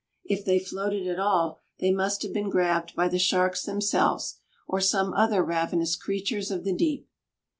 If they floated at all, they must have been grabbed by the sharks themselves, or some other ravenous creatures of the deep.